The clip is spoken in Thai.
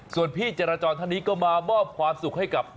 ส่วนพี่จรจรท่านนี้ก็มามอบความสุขให้กับ